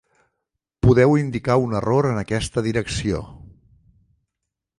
Podeu indicar un error en aquesta direcció.